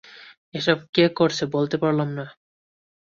এসব কে করেছে বলতে পারলাম না।